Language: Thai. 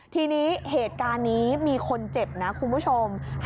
ทีนี้เหตุการณ์นี้มีคนเจ็บนะคุณผู้ชม